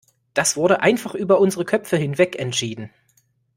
Das wurde einfach über unsere Köpfe hinweg entschieden.